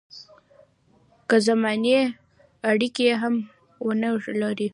که سازماني اړیکي هم ونه لري.